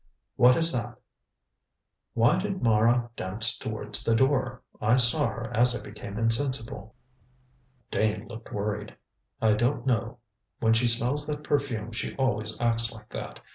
"What is that?" "Why did Mara dance towards the door. I saw her as I became insensible." Dane looked worried. "I don't know. When she smells that perfume she always acts like that.